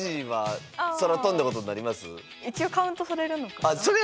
一応カウントされるのかな？